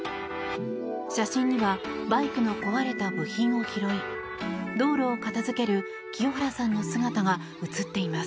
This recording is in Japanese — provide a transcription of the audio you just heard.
写真にはバイクの壊れた部品を拾い道路を片付ける清原さんの姿が写っています。